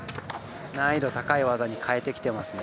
難易度高い技に変えてきてますね。